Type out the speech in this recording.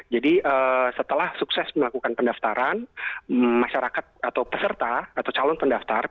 jadi setelah sukses melakukan pendaftaran masyarakat atau peserta atau calon pendaftar